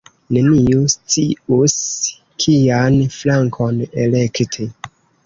Neniu scius kian flankon elekti.